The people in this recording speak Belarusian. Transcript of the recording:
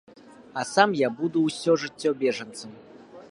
А сам я буду ўсё жыццё бежанцам.